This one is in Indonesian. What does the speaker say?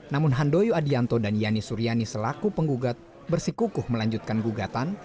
namun handoyo adianto dan yani suryani selaku penggugat bersikukuh melanjutkan gugatan